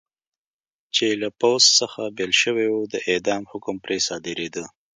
چې له پوځ څخه بېل شوي و، د اعدام حکم پرې صادرېده.